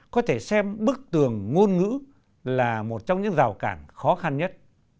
có thể xem bức tường ngôn ngữ là một trong những rào cản khó khăn nhất